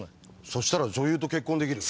そしたら女優と結婚できる。